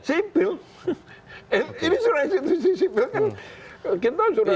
sipil ini sudah institusi sipil kan kita sudah dua puluh tahun